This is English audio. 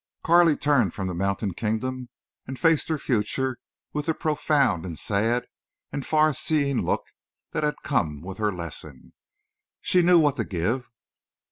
Carley turned from the mountain kingdom and faced her future with the profound and sad and far seeing look that had come with her lesson. She knew what to give.